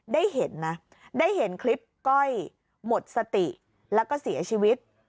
ได้เห็นนะได้เห็นคลิปก้อยหมดสติแล้วก็เสียชีวิต